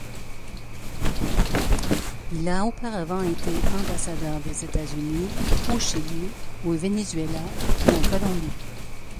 Il a auparavant été ambassadeur des États-Unis au Chili, au Venezuela puis en Colombie.